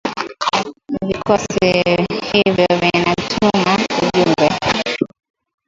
Vikosi hivyo vinatuma ujumbe